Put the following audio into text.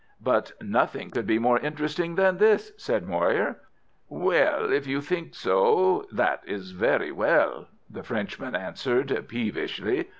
"But nothing could be more interesting than this," said Moir. "Well, if you think so, that is very well," the Frenchman answered, peevishly.